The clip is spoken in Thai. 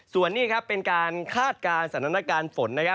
ส่วนนี้เป็นการฆาตการณ์สันตปฐานฝน